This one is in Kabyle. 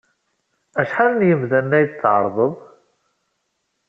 Acḥal n medden ay d-tɛerḍed?